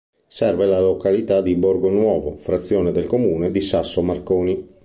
Serve la località di Borgonuovo, frazione del comune di Sasso Marconi.